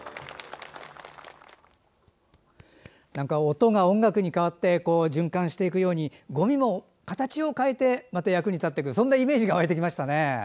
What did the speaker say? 音が音楽に変わって循環していくようにごみも形を変えてまた役に立っていくそんなイメージが湧いてきましたね。